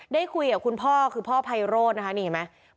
ได้คุยกับคุณพ่อคือพ่อไพโรธนะคะนี่เห็นไหม